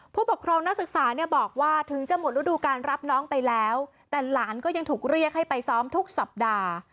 ผู้ปกครองนักศึกษาเนี่ยบอกว่าถึงจะหมดฤดูการรับน้องไปแล้วแต่หลานก็ยังถูกเรียกให้ไปซ้อมทุกสัปดาห์